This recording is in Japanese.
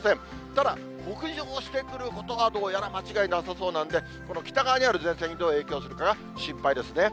ただ、北上してくることはどうやら間違いなさそうなんで、この北側にある前線にどう影響するかが心配ですね。